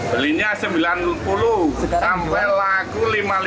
belinya sembilan puluh sampai laku lima puluh lima